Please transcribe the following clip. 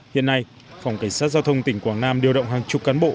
hiện nay phòng cảnh sát giao thông tỉnh quảng nam điều động hàng chục cán bộ